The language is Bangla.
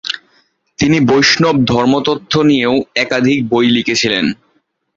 তিনি বৈষ্ণব ধর্মতত্ত্ব নিয়েও একাধিক বই লিখেছিলেন।